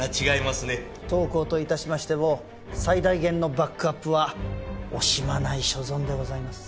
当行と致しましても最大限のバックアップは惜しまない所存でございます。